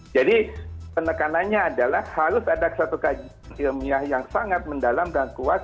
jadi penekanannya adalah harus ada satu kajian ilmiah yang sangat mendalam dan kuat